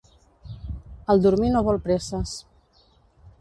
El dormir no vol presses.